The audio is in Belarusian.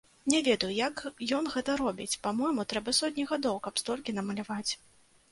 Не ведаю, як ён гэта робіць, па-мойму, трэба сотні гадоў, каб столькі намаляваць.